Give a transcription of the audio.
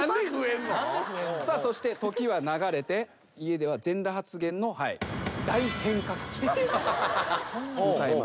さあそして時は流れて家では全裸発言の大変革期を迎えます。